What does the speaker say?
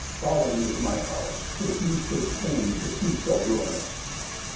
Falling is my house, Which you should shame to see so ruinous.